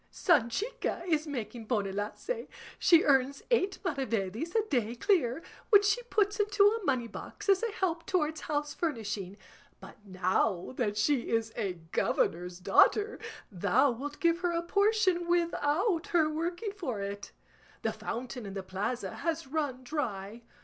Sanchica is making bonelace; she earns eight maravedis a day clear, which she puts into a moneybox as a help towards house furnishing; but now that she is a governor's daughter thou wilt give her a portion without her working for it. The fountain in the plaza has run dry.